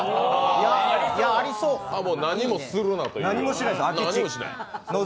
何もするなという。